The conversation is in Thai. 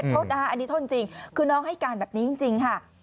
โทษนะคะอันนี้โทษจริงคือน้องให้การแบบนี้จริงค่ะ